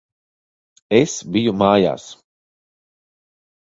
Es biju mājās.